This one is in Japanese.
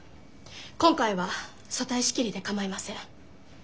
今回は組対仕切りで構いません。